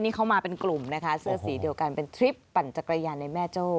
นี่เขามาเป็นกลุ่มนะคะเสื้อสีเดียวกันเป็นทริปปั่นจักรยานในแม่โจ้